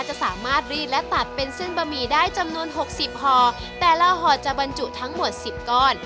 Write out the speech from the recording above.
จะสามารถรีดและตัดเป็นเส้นบะหมี่ได้จำนวนหกสิบห่อแต่ละห่อจะบรรจุทั้งหมดสิบก้อน